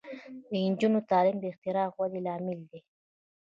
د نجونو تعلیم د اختراع ودې لامل دی.